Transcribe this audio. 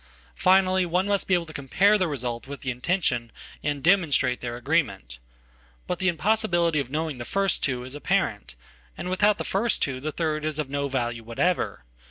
Finally, one must be able to compare the result with the intention and demonstrate their agreement. But the impossibility of knowing the first two is apparent. And without the first two the third is of no value whatever.